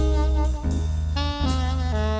กลับไป